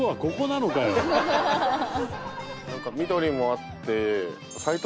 なんか緑もあって。